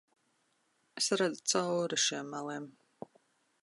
Es redzu cauri šiem meliem.